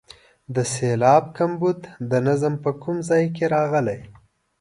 د سېلاب کمبود د نظم په کوم ځای کې راغلی.